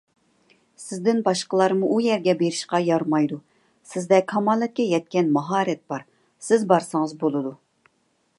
سىزدىن باشقىلارمۇ ئۇ يەرگە بېرىشقا يارىمايدۇ، سىزدە كامالەتكە يەتكەن ماھارەت بار، سىز بارسىڭىز بولىدۇ.